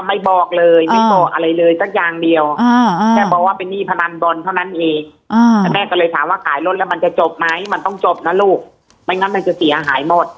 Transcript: แม่ก็คิดว่าเป็นหนี้พนันบนเท่านั้นเองมันต้องจบนะลูกไม่นานเลยจะเสียหายหมด